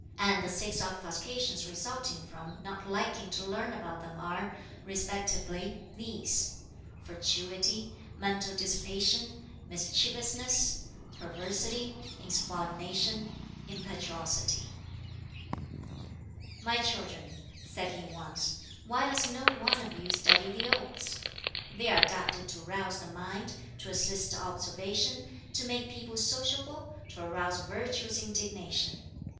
And the six obfuscations resulting from not liking to learn about them are, respectively, these: fatuity, mental dissipation, mischievousness, perversity, insubordination, impetuosity." "My children," said he once, "why does no one of you study the Odes? They are adapted to rouse the mind, to assist observation, to make people sociable, to arouse virtuous indignation.